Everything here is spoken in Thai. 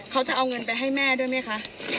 เขาจะเอาเงินไปให้แม่ด้วยไหมคะ